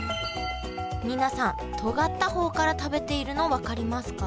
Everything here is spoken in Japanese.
皆さんとがった方から食べているの分かりますか？